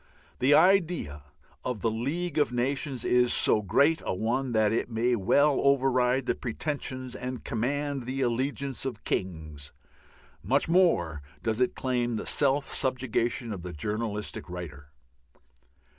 The idea of the League of Nations is so great a one that it may well override the pretensions and command the allegiance of kings; much more does it claim the self subjugation of the journalistic writer.